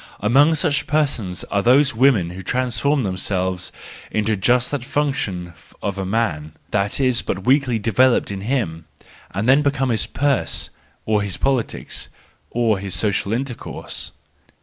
Among such persons THE JOYFUL WISDOM, III 163 are those women who transform themselves into just that function of a man that is but weakly developed in him, and then become his purse, or his politics, or his social intercourse.